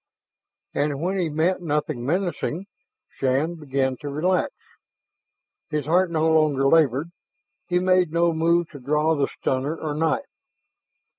And when he met nothing menacing, Shann began to relax. His heart no longer labored; he made no move to draw the stunner or knife.